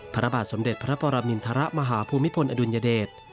พระบาทสมเด็จพระปรมินทรมาหาภูมิพลอดุลยเดช